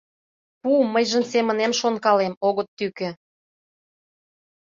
Пу, мыйжым, семынем шонкалем, огыт тӱкӧ.